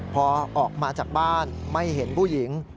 พอออกมาจากบ้านไม่เห็นผู้หญิง